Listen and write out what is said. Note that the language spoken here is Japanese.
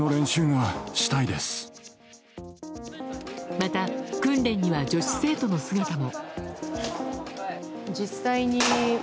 また、訓練には女子生徒の姿も。